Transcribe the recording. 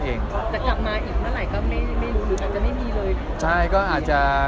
จะกลับมาอีกเมื่อไหร่ก็ไม่รู้หรืออาจจะไม่มีเลย